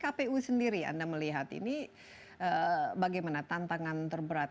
kpu sendiri anda melihat ini bagaimana tantangan terberat